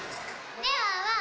ねえワンワン